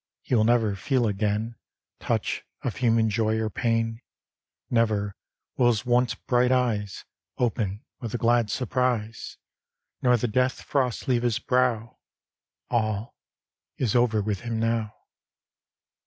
He will never feel again Touch of human Joy or pain, Never will his once bright eyes Open with a glad surprise ; Nor the death frost leave his brow ŌĆö All is over with him now.